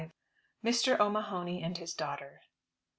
MR. O'MAHONY AND HIS DAUGHTER.